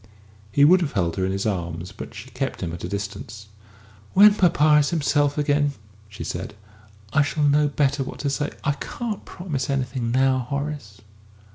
He would have held her in his arms, but she kept him at a distance. "When papa is himself again," she said, "I shall know better what to say. I can't promise anything now, Horace."